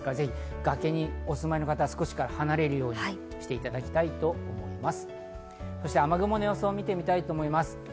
崖地にお住まいの方は少し離れるようにしていただきたいと思います。